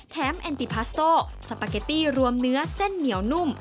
แอนติพาสโซสปาเกตตี้รวมเนื้อเส้นเหนียวนุ่ม